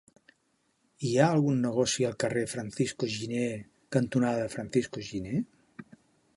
Hi ha algun negoci al carrer Francisco Giner cantonada Francisco Giner?